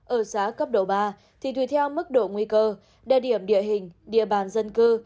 ở giá cấp độ ba thì tùy theo mức độ nguy cơ địa điểm địa hình địa bàn dân cư